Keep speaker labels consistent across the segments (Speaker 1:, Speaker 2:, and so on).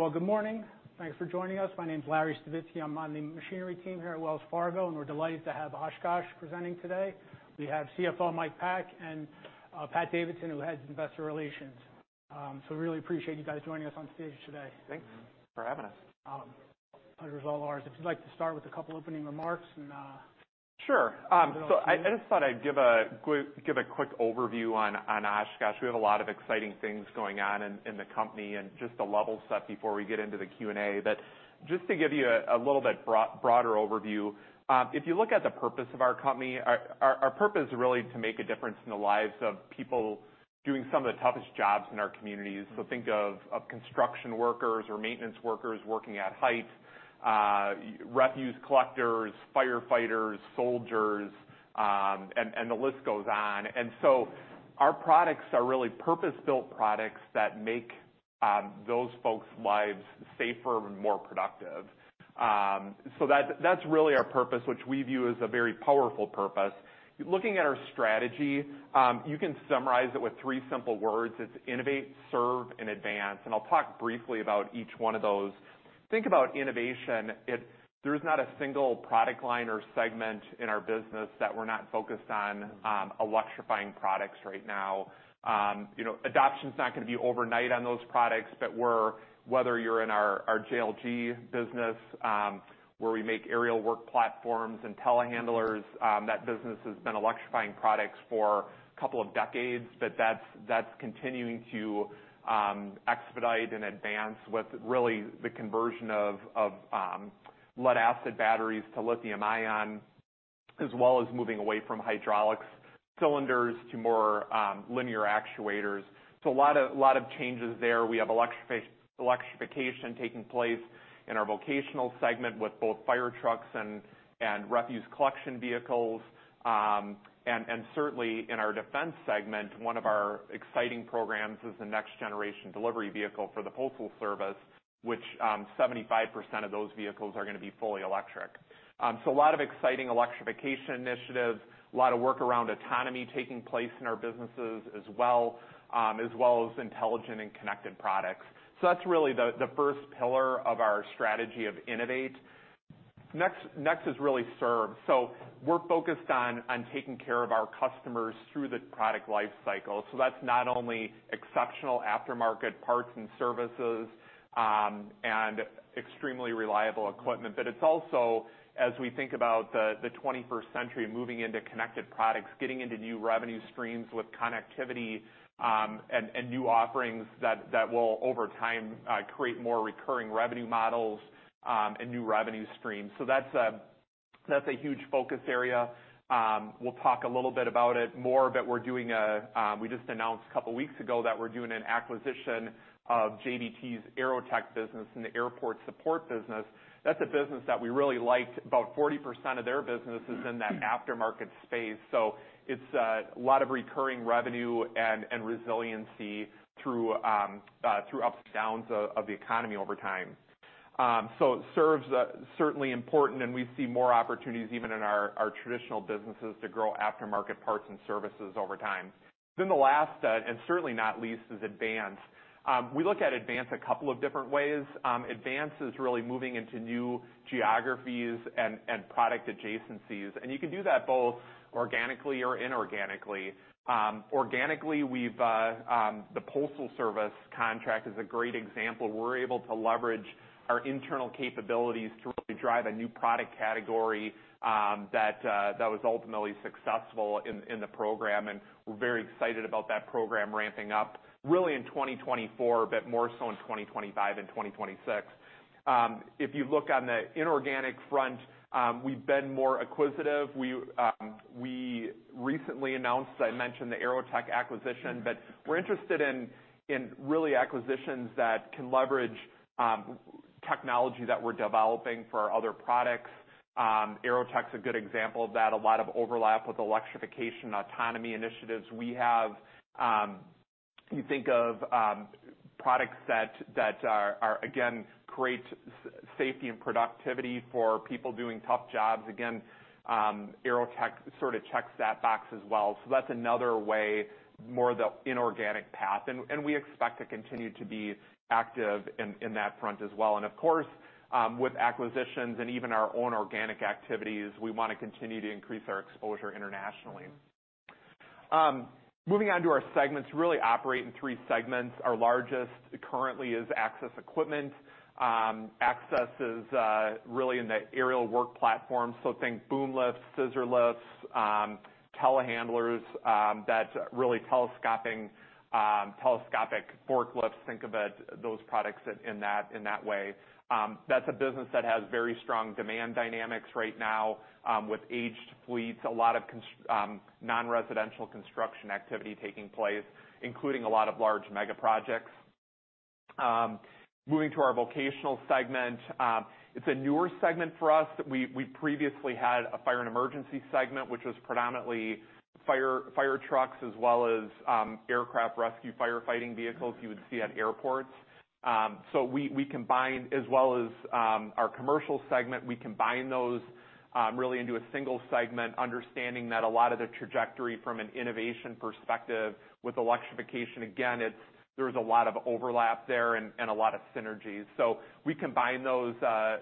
Speaker 1: Well, good morning. Thanks for joining us. My name is Larry Smith. I'm on the machinery team here at Wells Fargo, and we're delighted to have Oshkosh presenting today. We have CFO, Mike Pack, and Pat Davidson, who heads Investor Relations. So we really appreciate you guys joining us on stage today.
Speaker 2: Thanks for having us.
Speaker 1: The pleasure is all ours. If you'd like to start with a couple opening remarks, and-
Speaker 2: Sure. So I just thought I'd give a quick overview on Oshkosh. We have a lot of exciting things going on in the company, and just to level set before we get into the Q&A. But just to give you a little bit broader overview, if you look at the purpose of our company, our purpose is really to make a difference in the lives of people doing some of the toughest jobs in our communities. So think of construction workers or maintenance workers working at heights, refuse collectors, firefighters, soldiers, and the list goes on. And so our products are really purpose-built products that make those folks' lives safer and more productive. So that's really our purpose, which we view as a very powerful purpose. Looking at our strategy, you can summarize it with three simple words: It's innovate, serve, and advance. And I'll talk briefly about each one of those. Think about innovation. There's not a single product line or segment in our business that we're not focused on electrifying products right now. You know, adoption's not gonna be overnight on those products, but we're, whether you're in our JLG business, where we make aerial work platforms and telehandlers, that business has been electrifying products for a couple of decades. But that's continuing to expedite and advance with really the conversion of lead-acid batteries to lithium-ion, as well as moving away from hydraulic cylinders to more linear actuators. So a lot of changes there. We have electrification taking place in our Vocational segment, with both fire trucks and refuse collection vehicles. And certainly in our Defense segment, one of our exciting programs is the Next Generation Delivery Vehicle for the Postal Service, which 75% of those vehicles are gonna be fully electric. So a lot of exciting electrification initiatives, a lot of work around autonomy taking place in our businesses as well, as well as intelligent and connected products. So that's really the first pillar of our strategy of innovate. Next is really serve. So we're focused on taking care of our customers through the product life cycle. So that's not only exceptional aftermarket parts and services, and extremely reliable equipment, but it's also, as we think about the twenty-first century moving into connected products, getting into new revenue streams with connectivity, and new offerings that will, over time, create more recurring revenue models, and new revenue streams. So that's a huge focus area. We'll talk a little bit about it more, but we're doing a—we just announced a couple weeks ago that we're doing an acquisition of JBT's AeroTech business and the airport support business. That's a business that we really liked. About 40% of their business is in that aftermarket space, so it's a lot of recurring revenue and resiliency through ups and downs of the economy over time. So services certainly important, and we see more opportunities even in our traditional businesses to grow aftermarket parts and services over time. Then the last, and certainly not least, is advance. We look at advance a couple of different ways. Advance is really moving into new geographies and product adjacencies, and you can do that both organically or inorganically. Organically, we've the Postal Service contract is a great example. We're able to leverage our internal capabilities to really drive a new product category that was ultimately successful in the program. And we're very excited about that program ramping up really in 2024, but more so in 2025 and 2026. If you look on the inorganic front, we've been more acquisitive. We, we recently announced, I mentioned the AeroTech acquisition, but we're interested in really acquisitions that can leverage technology that we're developing for our other products. AeroTech's a good example of that. A lot of overlap with electrification and autonomy initiatives we have. You think of products that are, again, create safety and productivity for people doing tough jobs. Again, AeroTech sort of checks that box as well. So that's another way, more the inorganic path, and we expect to continue to be active in that front as well. And of course, with acquisitions and even our own organic activities, we want to continue to increase our exposure internationally. Moving on to our segments, really operate in three segments. Our largest currently is Access Equipment. Access is really in the aerial work platform, so think boom lifts, scissor lifts, telehandlers, that's really telescopic forklifts. Think about those products in that way. That's a business that has very strong demand dynamics right now, with aged fleets, a lot of non-residential construction activity taking place, including a lot of large megaprojects. Moving to our Vocational segment, it's a newer segment for us. We previously had a Fire and Emergency segment, which was predominantly fire, fire trucks as well as aircraft rescue firefighting vehicles you would see at airports. So we, we combined as well as our Commercial segment, we combined those really into a single segment, understanding that a lot of the trajectory from an innovation perspective with electrification, again, it's—there's a lot of overlap there and, and a lot of synergies. So we combined those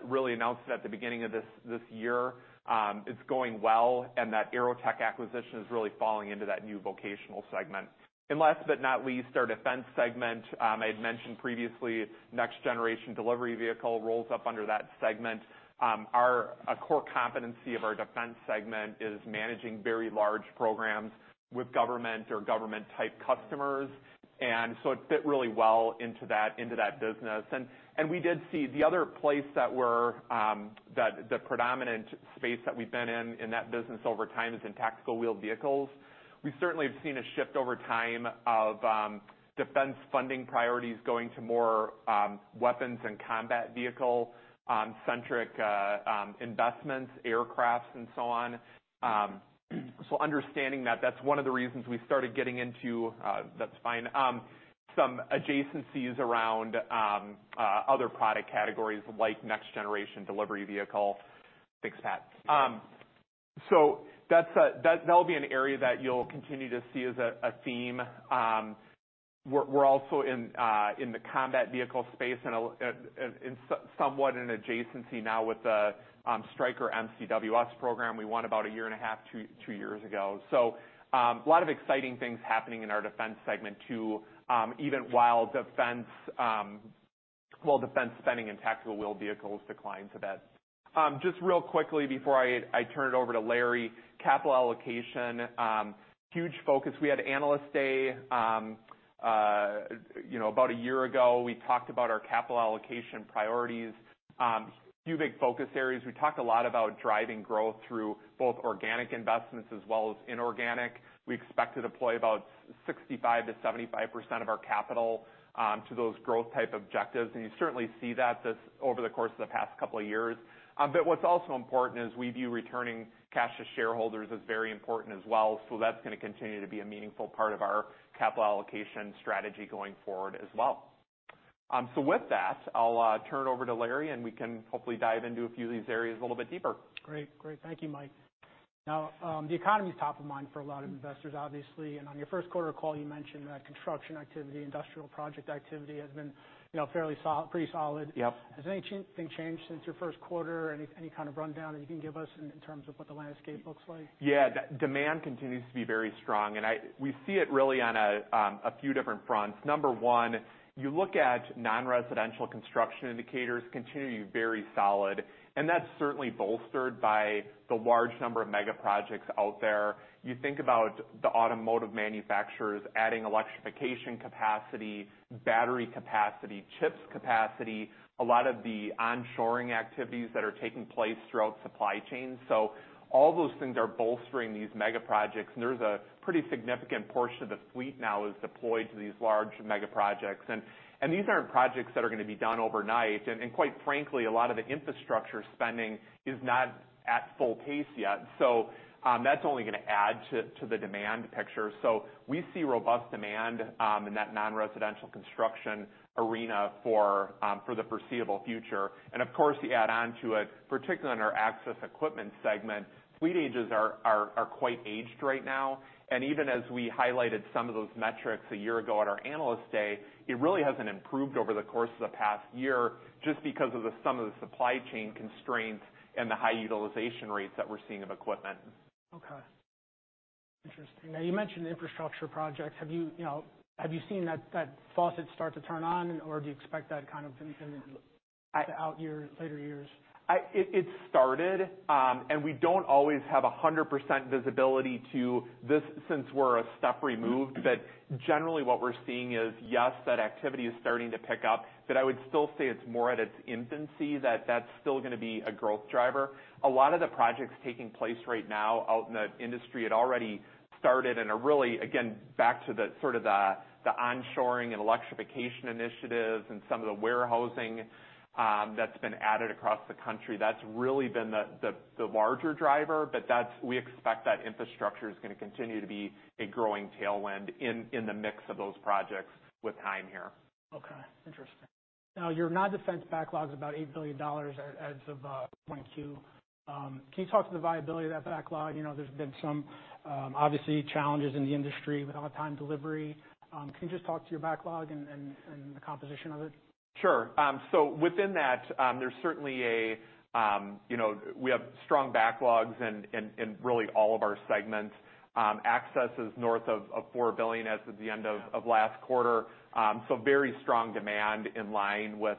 Speaker 2: really announced it at the beginning of this, this year. It's going well, and that AeroTech acquisition is really falling into that new Vocational segment. And last but not least, our Defense segment. I'd mentioned previously, Next Generation Delivery Vehicle rolls up under that segment. Our—a core competency of our Defense segment is managing very large programs with government or government-type customers, and so it fit really well into that, into that business. We did see the other place that we're, that the predominant space that we've been in, in that business over time is in tactical wheeled vehicles. We certainly have seen a shift over time of, defense funding priorities going to more, weapons and combat vehicle, centric, investments, aircraft, and so on. So understanding that, that's one of the reasons we started getting into, that's fine, some adjacencies around, other product categories like Next Generation Delivery Vehicle. Thanks, Pat. So that's a, that, that'll be an area that you'll continue to see as a, a theme. We're, we're also in, in the combat vehicle space and a, in, in somewhat in adjacency now with the, Stryker MCWS program we won about a year and a half, two years ago. So, a lot of exciting things happening in our Defense segment, too, even while defense, well, defense spending and tactical wheeled vehicles decline to that. Just real quickly before I turn it over to Larry, capital allocation, huge focus. We had Analyst Day, you know, about a year ago. We talked about our capital allocation priorities. A few big focus areas. We talked a lot about driving growth through both organic investments as well as inorganic. We expect to deploy about 65%-75% of our capital to those growth type objectives, and you certainly see that this over the course of the past couple of years. But what's also important is we view returning cash to shareholders as very important as well. So that's gonna continue to be a meaningful part of our capital allocation strategy going forward as well. So with that, I'll turn it over to Larry, and we can hopefully dive into a few of these areas a little bit deeper.
Speaker 1: Great. Great. Thank you, Mike. Now, the economy is top of mind for a lot of investors, obviously. And on your first quarter call, you mentioned that construction activity, industrial project activity has been, you know, fairly solid, pretty solid.
Speaker 2: Yep.
Speaker 1: Has anything changed since your first quarter? Any, any kind of rundown that you can give us in terms of what the landscape looks like?
Speaker 2: Yeah. Demand continues to be very strong, and we see it really on a few different fronts. Number one, you look at non-residential construction indicators continue to be very solid, and that's certainly bolstered by the large number of mega projects out there. You think about the automotive manufacturers adding electrification capacity, battery capacity, chips capacity, a lot of the onshoring activities that are taking place throughout supply chains. So all those things are bolstering these mega projects, and there's a pretty significant portion of the fleet now is deployed to these large mega projects. And these aren't projects that are gonna be done overnight, and quite frankly, a lot of the infrastructure spending is not at full pace yet. So that's only gonna add to the demand picture. So we see robust demand in that non-residential construction arena for the foreseeable future. And of course, you add on to it, particularly on our Access Equipment segment, fleet ages are quite aged right now. And even as we highlighted some of those metrics a year ago at our Analyst Day, it really hasn't improved over the course of the past year just because of some of the supply chain constraints and the high utilization rates that we're seeing of equipment.
Speaker 1: Okay. Interesting. Now, you mentioned infrastructure projects. Have you, you know, have you seen that faucet start to turn on, or do you expect that kind of in?
Speaker 2: I-
Speaker 1: out years, later years?
Speaker 2: It's started, and we don't always have 100% visibility to this since we're a step removed. But generally, what we're seeing is, yes, that activity is starting to pick up, but I would still say it's more at its infancy, that's still gonna be a growth driver. A lot of the projects taking place right now out in the industry had already started in a really, again, back to the sort of the, the onshoring and electrification initiatives and some of the warehousing that's been added across the country. That's really been the, the, the larger driver, but that's—we expect that infrastructure is gonna continue to be a growing tailwind in, in the mix of those projects with time here.
Speaker 1: Okay. Interesting. Now, your non-defense backlog is about $8 billion as of 2022. Can you talk to the viability of that backlog? You know, there's been some obviously challenges in the industry with on-time delivery. Can you just talk to your backlog and the composition of it?
Speaker 2: Sure. So within that, there's certainly, you know, we have strong backlogs in really all of our segments. Access is north of $4 billion as of the end of last quarter. So very strong demand in line with,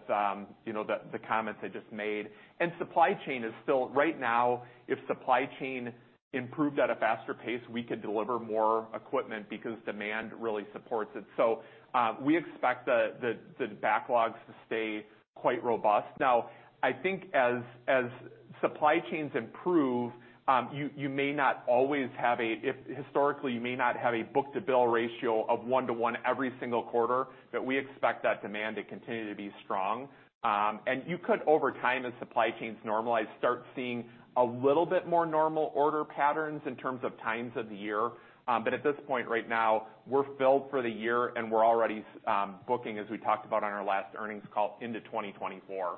Speaker 2: you know, the comments I just made. And supply chain is still right now, if supply chain improved at a faster pace, we could deliver more equipment because demand really supports it. So, we expect the backlogs to stay quite robust. Now, I think as supply chains improve, you may not always have a if historically, you may not have a book-to-bill ratio of 1-to-1 every single quarter, but we expect that demand to continue to be strong. You could, over time, as supply chains normalize, start seeing a little bit more normal order patterns in terms of times of the year. At this point, right now, we're filled for the year, and we're already booking, as we talked about on our last earnings call, into 2024....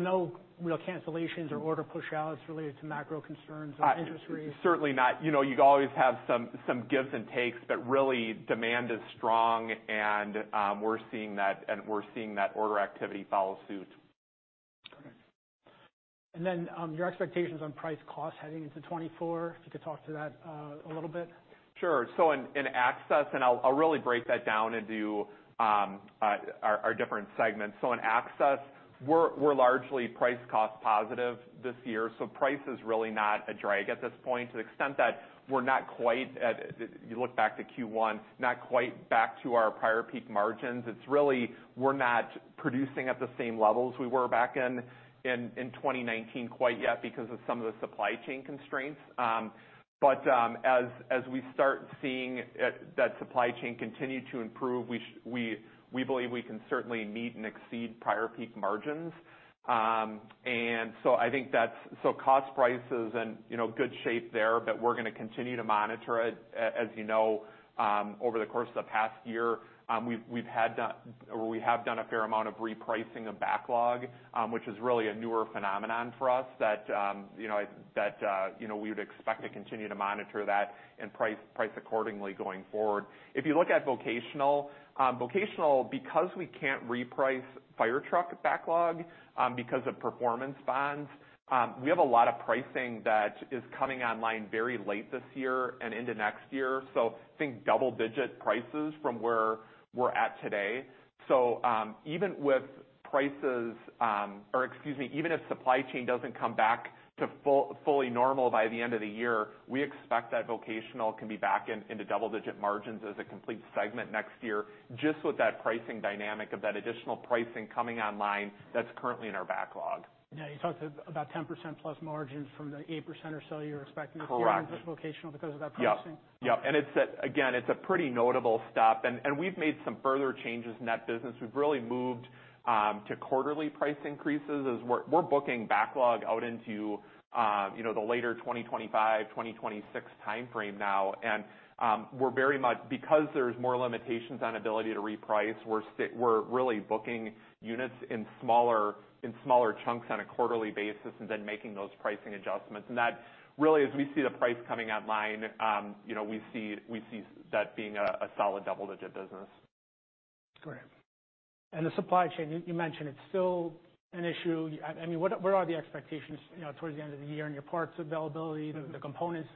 Speaker 1: No real cancellations or order pushouts related to macro concerns or interest rates?
Speaker 2: Certainly not. You know, you always have some gives and takes, but really demand is strong and, we're seeing that, and we're seeing that order activity follow suit.
Speaker 1: Okay. And then, your expectations on price-cost heading into 2024, if you could talk to that a little bit.
Speaker 2: Sure. So in Access, and I'll really break that down into our different segments. So in Access, we're largely price-cost positive this year, so price is really not a drag at this point. To the extent that we're not quite at - you look back to Q1, not quite back to our prior peak margins. It's really we're not producing at the same levels we were back in 2019 quite yet because of some of the supply chain constraints. But as we start seeing that supply chain continue to improve, we believe we can certainly meet and exceed prior peak margins. And so I think that's so cost prices and, you know, good shape there, but we're going to continue to monitor it. As you know, over the course of the past year, we've, we've had done or we have done a fair amount of repricing of backlog, which is really a newer phenomenon for us that, you know, that, you know, we would expect to continue to monitor that and price, price accordingly going forward. If you look at Vocational, Vocational, because we can't reprice firetruck backlog, because of performance bonds, we have a lot of pricing that is coming online very late this year and into next year. So think double-digit prices from where we're at today. So, even with prices, or excuse me, even if supply chain doesn't come back to fully normal by the end of the year, we expect that Vocational can be back into double-digit margins as a complete segment next year, just with that pricing dynamic of that additional pricing coming online that's currently in our backlog.
Speaker 1: Yeah, you talked about 10%+ margins from the 8% or so you're expecting-
Speaker 2: Correct.
Speaker 1: With Vocational because of that pricing.
Speaker 2: Yeah. Yeah, and it's again, it's a pretty notable step, and we've made some further changes in that business. We've really moved to quarterly price increases as we're booking backlog out into, you know, the later 2025, 2026 timeframe now. And we're very much, because there's more limitations on ability to reprice, we're really booking units in smaller chunks on a quarterly basis and then making those pricing adjustments. And that really, as we see the price coming online, you know, we see that being a solid double-digit business.
Speaker 1: Great. And the supply chain, you mentioned it's still an issue. I mean, what are the expectations, you know, towards the end of the year and your parts availability, the components,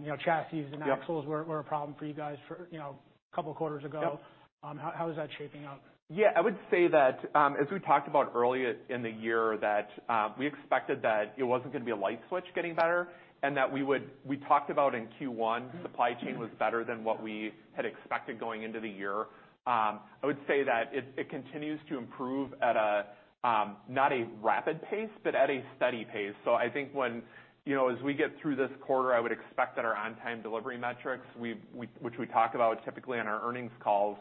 Speaker 1: you know, chassis and axles?
Speaker 2: Yeah...
Speaker 1: were a problem for you guys, you know, a couple of quarters ago.
Speaker 2: Yep.
Speaker 1: How is that shaping up?
Speaker 2: Yeah, I would say that, as we talked about earlier in the year, that we expected that it wasn't going to be a light switch getting better and that we talked about in Q1, supply chain was better than what we had expected going into the year. I would say that it continues to improve at a not a rapid pace, but at a steady pace. So I think when, you know, as we get through this quarter, I would expect that our on-time delivery metrics, which we talk about typically on our earnings calls,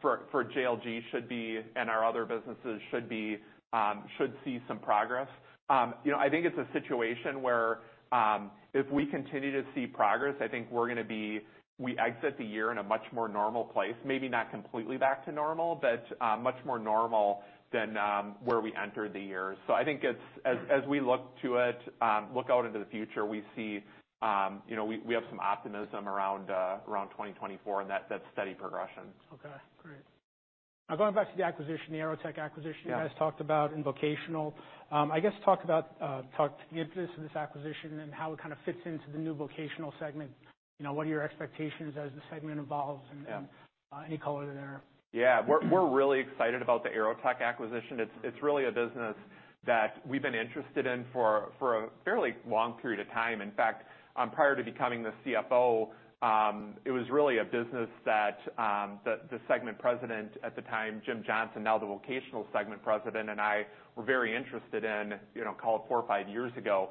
Speaker 2: for JLG, should be, and our other businesses should be, should see some progress. You know, I think it's a situation where, if we continue to see progress, I think we're going to be—we exit the year in a much more normal place. Maybe not completely back to normal, but, much more normal than, where we entered the year. So I think it's, as we look out into the future, we see, you know, we have some optimism around 2024 and that steady progression.
Speaker 1: Okay, great. Now, going back to the acquisition, the AeroTech acquisition-
Speaker 2: Yeah...
Speaker 1: you guys talked about in Vocational. I guess, talk to the interest of this acquisition and how it kind of fits into the new Vocational segment. You know, what are your expectations as the segment evolves, and-
Speaker 2: Yeah...
Speaker 1: any color there?
Speaker 2: Yeah. We're, we're really excited about the AeroTech acquisition. It's, it's really a business that we've been interested in for, for a fairly long period of time. In fact, prior to becoming the CFO, it was really a business that, the segment president at the time, Jim Johnson, now the Vocational segment president, and I were very interested in, you know, call it four or five years ago.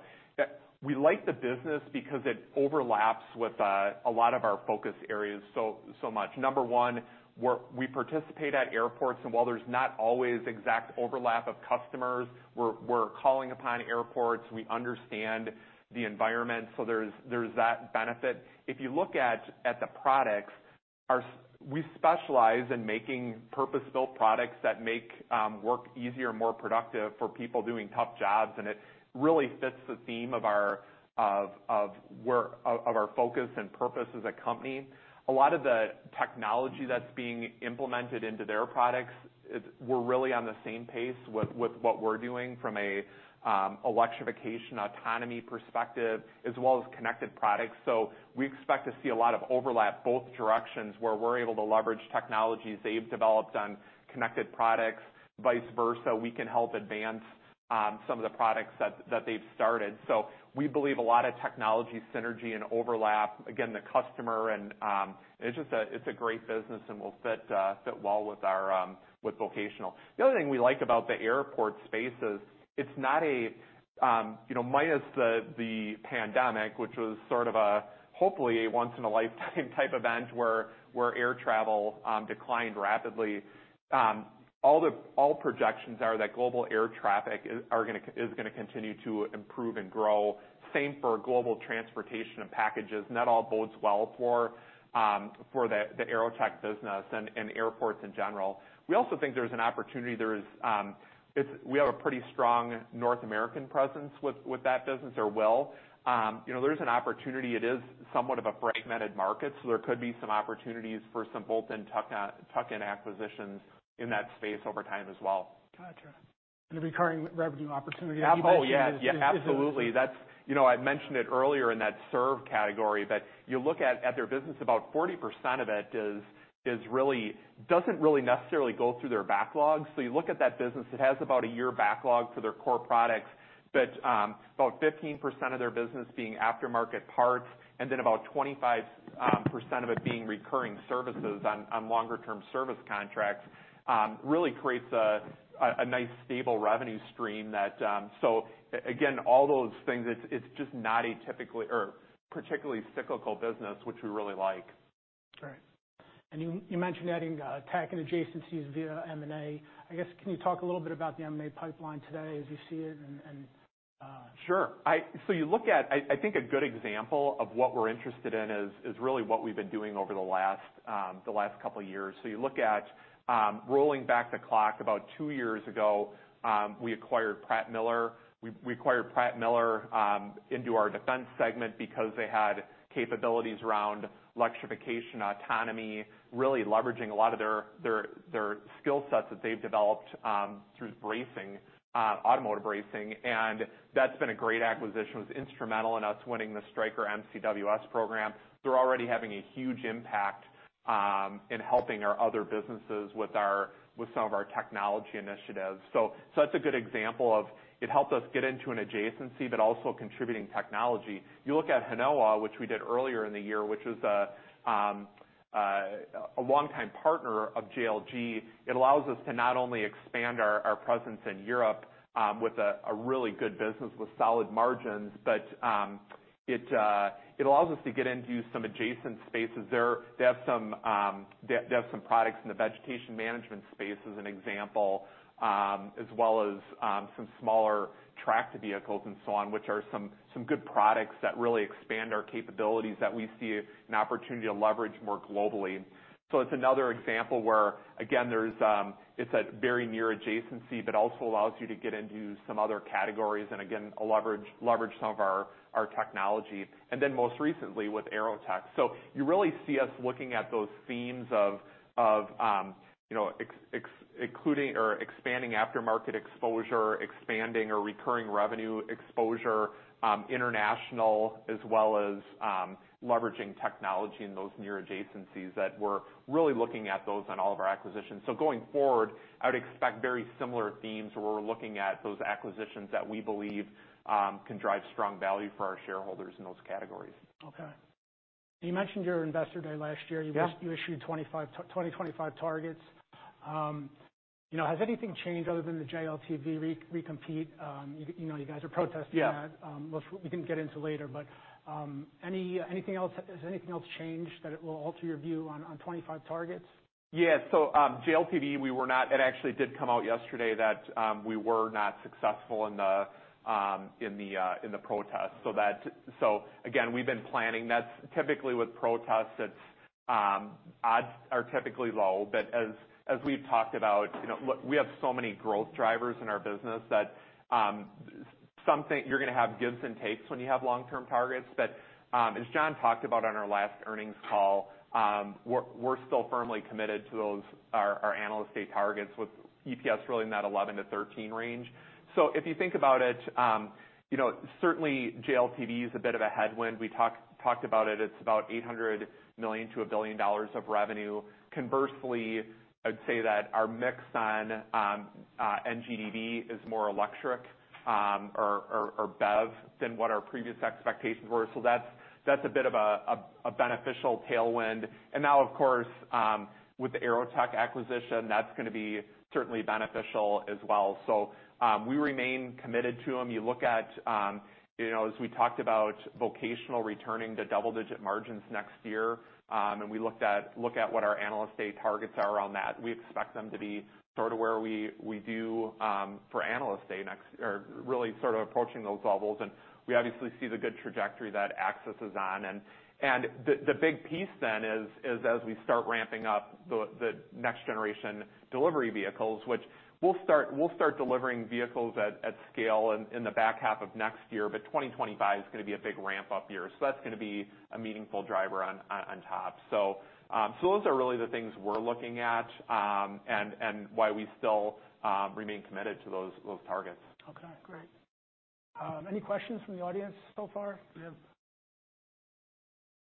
Speaker 2: We like the business because it overlaps with, a lot of our focus areas so, so much. Number one, we're- we participate at airports, and while there's not always exact overlap of customers, we're, we're calling upon airports. We understand the environment, so there's, there's that benefit. If you look at the products, we specialize in making purpose-built products that make work easier and more productive for people doing tough jobs, and it really fits the theme of our work, our focus and purpose as a company. A lot of the technology that's being implemented into their products, we're really on the same pace with what we're doing from a electrification, autonomy perspective, as well as connected products. So we expect to see a lot of overlap both directions, where we're able to leverage technologies they've developed on connected products. Vice versa, we can help advance some of the products that they've started. So we believe a lot of technology, synergy and overlap, again, the customer and, it's just a, it's a great business and will fit well with our, with Vocational. The other thing we like about the airport space is it's not a, you know, minus the, the pandemic, which was sort of a hopefully a once-in-a-lifetime type event where air travel declined rapidly. All projections are that global air traffic is gonna continue to improve and grow. Same for global transportation of packages, and that all bodes well for, for the, the AeroTech business and airports in general. We also think there's an opportunity. There is, it's we have a pretty strong North American presence with that business or will. You know, there's an opportunity. It is somewhat of a fragmented market, so there could be some opportunities for some bolt-in tuck-in acquisitions in that space over time as well.
Speaker 1: Gotcha.... And a recurring revenue opportunity?
Speaker 2: Oh, yeah. Yeah, absolutely. That's, you know, I mentioned it earlier in that serve category, that you look at, at their business, about 40% of it is really—doesn't really necessarily go through their backlog. So you look at that business, it has about a 1-year backlog for their core products. But, about 15% of their business being aftermarket parts, and then about 25%, percent of it being recurring services on, on longer term service contracts, really creates a nice, stable revenue stream that—So again, all those things, it's just not a typically or particularly cyclical business, which we really like.
Speaker 1: Right. And you mentioned adding tech and adjacencies via M&A. I guess, can you talk a little bit about the M&A pipeline today as you see it and, and,
Speaker 2: Sure. So you look at. I think a good example of what we're interested in is really what we've been doing over the last, the last couple of years. So you look at, rolling back the clock about two years ago, we acquired Pratt Miller. We acquired Pratt Miller into our Defense segment because they had capabilities around electrification, autonomy, really leveraging a lot of their skill sets that they've developed through racing, automotive racing. And that's been a great acquisition. It was instrumental in us winning the Stryker MCWS program. They're already having a huge impact in helping our other businesses with our with some of our technology initiatives. So that's a good example of it helped us get into an adjacency, but also contributing technology. You look at Hinowa, which we did earlier in the year, which is a long-time partner of JLG. It allows us to not only expand our presence in Europe with a really good business with solid margins, but it allows us to get into some adjacent spaces there. They have some products in the vegetation management space, as an example, as well as some smaller tractor vehicles and so on, which are some good products that really expand our capabilities that we see an opportunity to leverage more globally. So it's another example where, again, it's a very near adjacency, but also allows you to get into some other categories, and again, leverage some of our technology, and then most recently with AeroTech. So you really see us looking at those themes of, you know, including or expanding aftermarket exposure, expanding or recurring revenue exposure, international, as well as, leveraging technology in those near adjacencies, that we're really looking at those on all of our acquisitions. So going forward, I would expect very similar themes, where we're looking at those acquisitions that we believe can drive strong value for our shareholders in those categories.
Speaker 1: Okay. You mentioned your Investor day last year.
Speaker 2: Yeah.
Speaker 1: You issued 2025 targets. You know, has anything changed other than the JLTV recompete? You know, you guys are protesting that.
Speaker 2: Yeah.
Speaker 1: We can get into later, but, has anything else changed that it will alter your view on, on 25 targets?
Speaker 2: Yeah. So, JLTV, we were not—it actually did come out yesterday that we were not successful in the protest. So that—so again, we've been planning that. Typically, with protests, it's odds are typically low, but as we've talked about, you know, we have so many growth drivers in our business that something—you're gonna have gives and takes when you have long-term targets. But, as John talked about on our last earnings call, we're still firmly committed to those, our Analyst Day targets with EPS really in that 11-13 range. So if you think about it, you know, certainly JLTV is a bit of a headwind. We talked about it. It's about $800 million-$1 billion of revenue. Conversely, I'd say that our mix on NGDV is more electric, or BEV than what our previous expectations were. So that's a bit of a beneficial tailwind. And now, of course, with the AeroTech acquisition, that's gonna be certainly beneficial as well. So, we remain committed to them. You look at, you know, as we talked about Vocational returning to double-digit margins next year, and we look at what our Analyst Day targets are on that, we expect them to be sort of where we do for Analyst Day next, or really sort of approaching those levels. And we obviously see the good trajectory that Access is on. And the big piece then is as we start ramping up the next generation delivery vehicles, which we'll start delivering vehicles at scale in the back half of next year, but 2025 is gonna be a big ramp up year. So that's gonna be a meaningful driver on top. So those are really the things we're looking at, and why we still remain committed to those targets.
Speaker 1: Okay, great. Any questions from the audience so far? Yeah.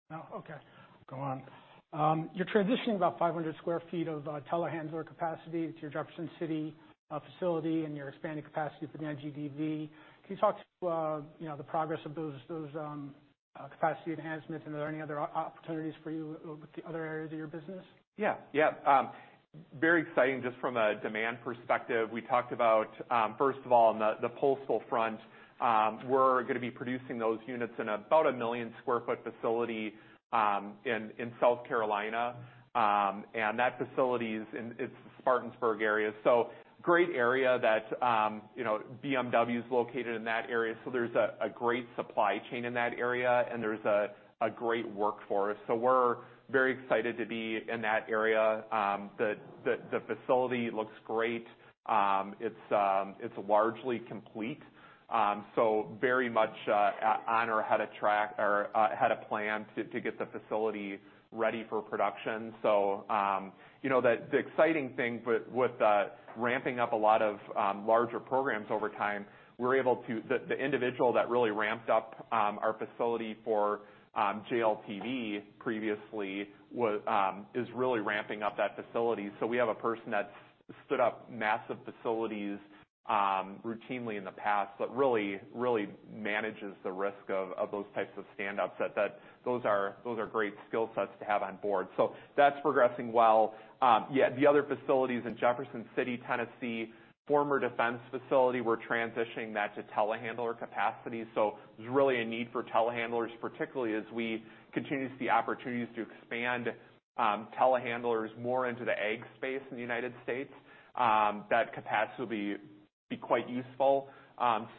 Speaker 1: No? Okay, go on. You're transitioning about 500 sq ft of telehandler capacity to your Jefferson City facility, and you're expanding capacity for the NGDV. Can you talk to, you know, the progress of those, those capacity enhancements, and are there any other opportunities for you with the other areas of your business?
Speaker 2: Yeah. Yeah, very exciting just from a demand perspective. We talked about, first of all, on the Postal front, we're gonna be producing those units in about 1 million sq ft facility, in South Carolina. And that facility is in, it's Spartanburg area, so great area that, you know, BMW is located in that area, so there's a great supply chain in that area, and there's a great workforce. So we're very excited to be in that area. The facility looks great. It's largely complete. So very much on our ahead of track or ahead of plan to get the facility ready for production. So... You know, the exciting thing with ramping up a lot of larger programs over time, we're able to—the individual that really ramped up our facility for JLTV previously was is really ramping up that facility. So we have a person that's stood up massive facilities routinely in the past, but really, really manages the risk of those types of standups. That, that—those are, those are great skill sets to have on board. So that's progressing well. Yeah, the other facilities in Jefferson City, Tennessee, former defense facility, we're transitioning that to telehandler capacity. So there's really a need for telehandlers, particularly as we continue to see opportunities to expand telehandlers more into the ag space in the United States. That capacity will be quite useful.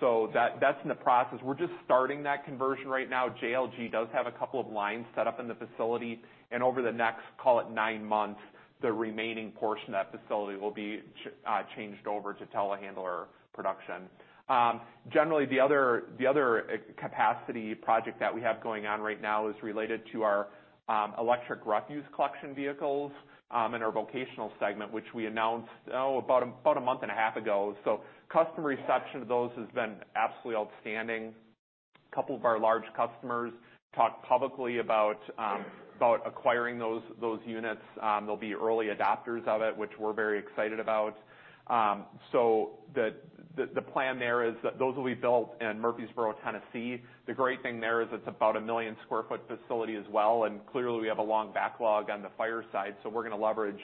Speaker 2: So that, that's in the process. We're just starting that conversion right now. JLG does have a couple of lines set up in the facility, and over the next, call it 9 months, the remaining portion of that facility will be changed over to telehandler production. Generally, the other capacity project that we have going on right now is related to our electric refuse collection vehicles in our Vocational segment, which we announced about a month and a half ago. So customer reception to those has been absolutely outstanding. A couple of our large customers talked publicly about acquiring those units. They'll be early adopters of it, which we're very excited about. So the plan there is that those will be built in Murfreesboro, Tennessee. The great thing there is it's about 1 million sq ft facility as well, and clearly, we have a long backlog on the fire side, so we're gonna leverage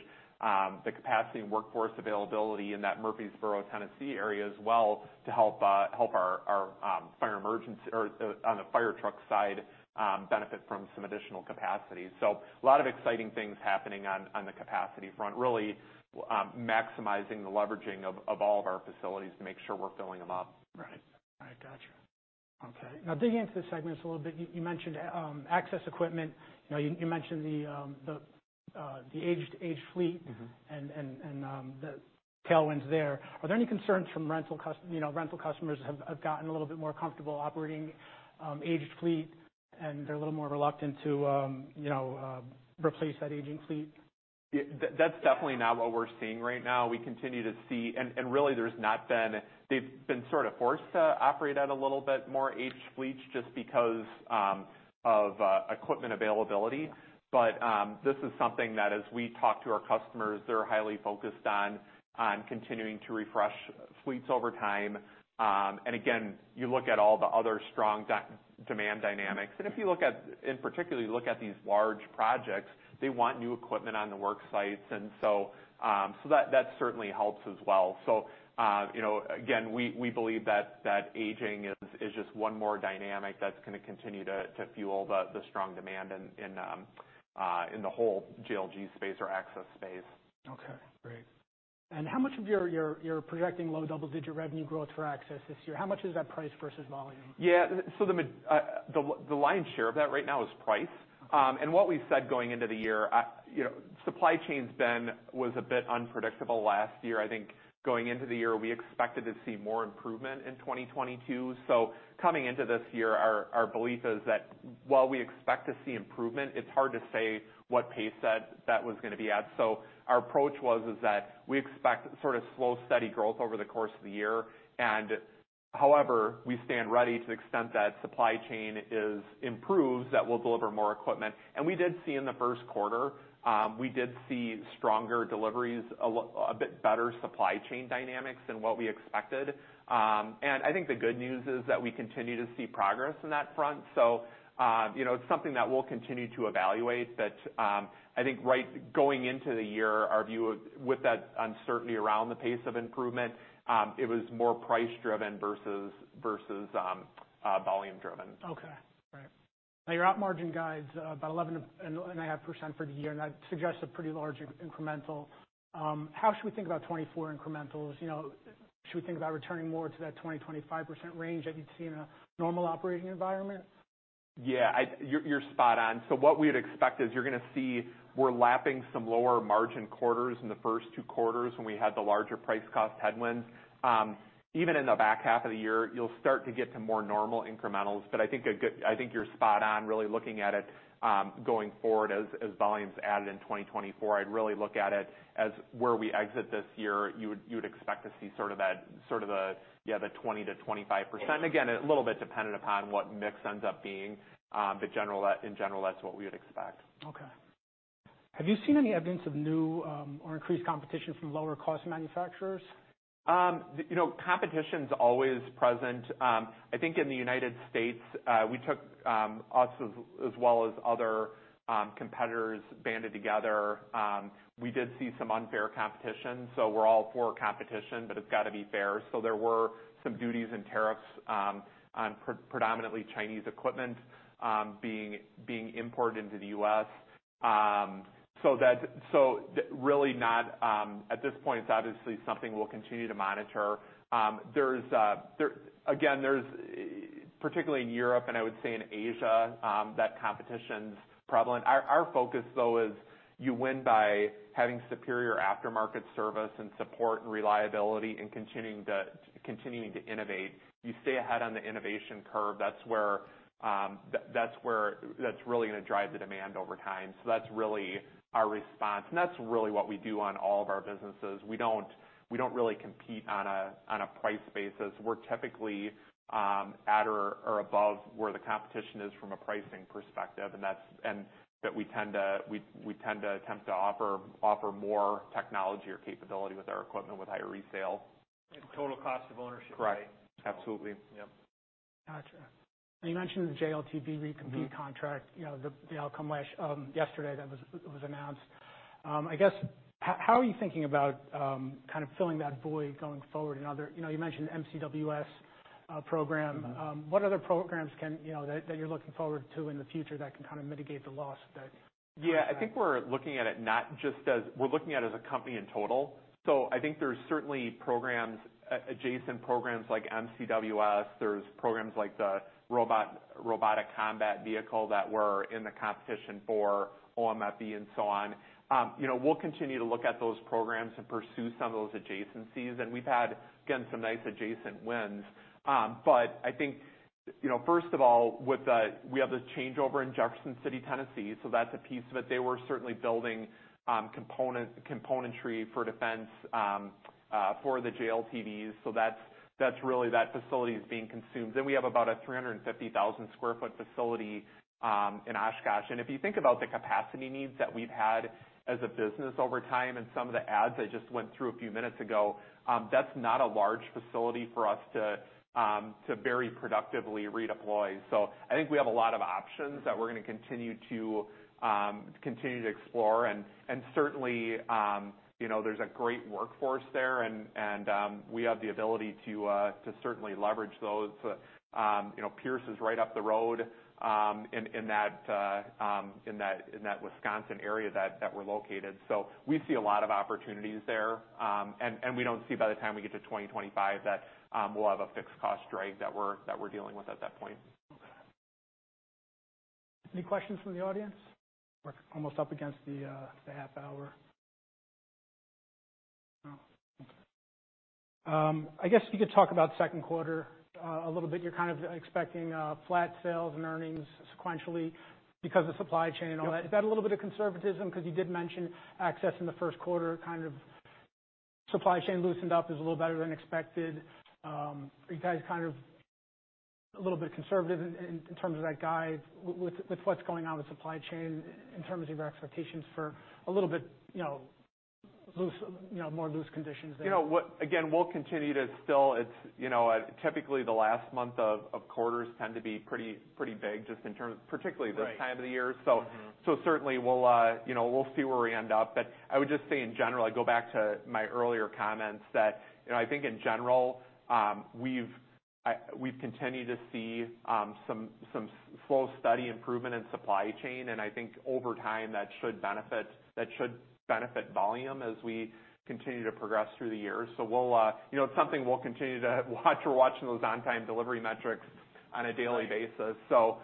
Speaker 2: the capacity and workforce availability in that Murfreesboro, Tennessee area as well, to help our fire emergency or on the fire truck side benefit from some additional capacity. So a lot of exciting things happening on the capacity front, really, maximizing the leveraging of all of our facilities to make sure we're filling them up.
Speaker 1: Right. I gotcha. Okay. Now, digging into the segments a little bit, you mentioned Access Equipment. You know, you mentioned the aged fleet-
Speaker 2: Mm-hmm.
Speaker 1: and the tailwinds there. Are there any concerns from rental customers, you know, rental customers have gotten a little bit more comfortable operating aged fleet, and they're a little more reluctant to, you know, replace that aging fleet?
Speaker 2: Yeah, that, that's definitely not what we're seeing right now. We continue to see, and really there's not been... They've been sort of forced to operate at a little bit more aged fleets just because of equipment availability. But this is something that as we talk to our customers, they're highly focused on continuing to refresh fleets over time. And again, you look at all the other strong demand dynamics, and if you look at, in particular, look at these large projects, they want new equipment on the work sites, and so, so that certainly helps as well. So, you know, again, we believe that aging is just one more dynamic that's gonna continue to fuel the strong demand in the whole JLG space or access space.
Speaker 1: Okay, great. And how much of your you're projecting low double-digit revenue growth for access this year? How much is that price versus volume?
Speaker 2: Yeah, so the lion's share of that right now is price. And what we've said going into the year, you know, supply chain's was a bit unpredictable last year. I think going into the year, we expected to see more improvement in 2022. So coming into this year, our belief is that while we expect to see improvement, it's hard to say what pace that was gonna be at. So our approach was, is that we expect sort of slow, steady growth over the course of the year, and however, we stand ready to the extent that supply chain improves, that we'll deliver more equipment. And we did see in the first quarter, we did see stronger deliveries, a bit better supply chain dynamics than what we expected. And I think the good news is that we continue to see progress on that front. So, you know, it's something that we'll continue to evaluate, but, I think right going into the year, our view of, with that uncertainty around the pace of improvement, it was more price driven versus volume driven.
Speaker 1: Okay, great. Now your op margin guides about 11.5% for the year, and that suggests a pretty large incremental. How should we think about 2024 incrementals? You know, should we think about returning more to that 20%-25% range that you'd see in a normal operating environment?
Speaker 2: Yeah, you're spot on. So what we'd expect is you're gonna see we're lapping some lower margin quarters in the first two quarters when we had the larger price-cost headwinds. Even in the back half of the year, you'll start to get to more normal incrementals. But I think you're spot on, really looking at it, going forward, as volumes added in 2024, I'd really look at it as where we exit this year, you would expect to see sort of that, sort of the, yeah, the 20%-25%.
Speaker 1: Okay.
Speaker 2: Again, a little bit dependent upon what mix ends up being, but in general, that's what we would expect.
Speaker 1: Okay. Have you seen any evidence of new, or increased competition from lower-cost manufacturers?
Speaker 2: You know, competition's always present. I think in the United States, we, as well as other competitors, banded together. We did see some unfair competition, so we're all for competition, but it's got to be fair. So there were some duties and tariffs on predominantly Chinese equipment being imported into the U.S. So that's really not, at this point, it's obviously something we'll continue to monitor. Again, there's particularly in Europe, and I would say in Asia, that competition's prevalent. Our focus, though, is you win by having superior aftermarket service and support and reliability and continuing to innovate. You stay ahead on the innovation curve, that's where that's really gonna drive the demand over time. So that's really our response, and that's really what we do on all of our businesses. We don't really compete on a price basis. We're typically at or above where the competition is from a pricing perspective, and that we tend to attempt to offer more technology or capability with our equipment with higher resale.
Speaker 1: Total cost of ownership, right?
Speaker 2: Correct. Absolutely.
Speaker 1: Yep. Gotcha. You mentioned the JLTV re-compete contract-
Speaker 2: Mm-hmm.
Speaker 1: You know, the outcome last yesterday that was announced. I guess, how are you thinking about kind of filling that void going forward and other— You know, you mentioned MCWS program.
Speaker 2: Mm-hmm.
Speaker 1: What other programs can, you know, that you're looking forward to in the future that can kind of mitigate the loss that-
Speaker 2: Yeah, I think we're looking at it not just as a company in total. We're looking at it as a company in total. So I think there's certainly programs, adjacent programs like MCWS. There's programs like the Robotic Combat Vehicle that we're in the competition for, OMFV and so on. You know, we'll continue to look at those programs and pursue some of those adjacencies, and we've had, again, some nice adjacent wins. But I think, you know, first of all, we have the changeover in Jefferson City, Tennessee, so that's a piece of it. They were certainly building componentry for defense for the JLTVs, so that's really, that facility is being consumed. Then we have about a 350,000 sq ft facility in Oshkosh. And if you think about the capacity needs that we've had as a business over time and some of the adds I just went through a few minutes ago, that's not a large facility for us to very productively redeploy. So I think we have a lot of options that we're gonna continue to explore. And certainly, you know, there's a great workforce there, and we have the ability to certainly leverage those. You know, Pierce is right up the road, in that Wisconsin area that we're located. So we see a lot of opportunities there, and we don't see by the time we get to 2025, that we'll have a fixed cost drag that we're dealing with at that point.
Speaker 1: Any questions from the audience? We're almost up against the half hour. No? I guess you could talk about second quarter a little bit. You're kind of expecting flat sales and earnings sequentially because of supply chain and all that.
Speaker 2: Yep.
Speaker 1: Is that a little bit of conservatism? Because you did mention access in the first quarter, kind of supply chain loosened up, is a little better than expected. Are you guys kind of a little bit conservative in terms of that guide with what's going on with supply chain in terms of your expectations for a little bit, you know, loose, you know, more loose conditions there?
Speaker 2: You know what? Again, we'll continue to still it's... You know, typically the last month of, of quarters tend to be pretty, pretty big, just in terms-
Speaker 1: Right.
Speaker 2: particularly this time of the year.
Speaker 1: Mm-hmm.
Speaker 2: So, certainly we'll, you know, we'll see where we end up. But I would just say in general, I go back to my earlier comments that, you know, I think in general, we've continued to see some slow, steady improvement in supply chain, and I think over time, that should benefit, that should benefit volume as we continue to progress through the year. So we'll, you know, it's something we'll continue to watch. We're watching those on-time delivery metrics on a daily basis.
Speaker 1: Right.
Speaker 2: So,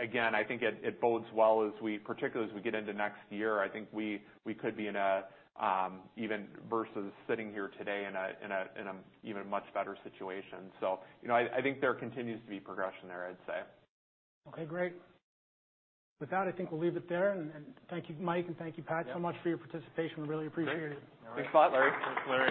Speaker 2: again, I think it bodes well, particularly as we get into next year. I think we could be in an even much better situation versus sitting here today. So, you know, I think there continues to be progression there, I'd say.
Speaker 1: Okay, great. With that, I think we'll leave it there. And thank you, Mike, and thank you, Pat-
Speaker 2: Yep
Speaker 1: So much for your participation. We really appreciate it.
Speaker 2: Great.
Speaker 1: All right.
Speaker 2: Thanks a lot, Larry.
Speaker 3: Thanks, Larry.